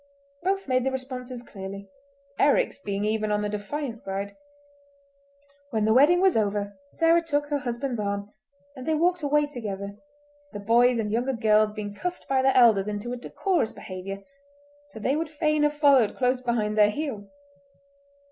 Both made the responses clearly—Eric's being even on the defiant side. When the wedding was over Sarah took her husband's arm, and they walked away together, the boys and younger girls being cuffed by their elders into a decorous behaviour, for they would fain have followed close behind their heels.